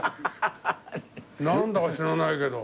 何だか知らないけど。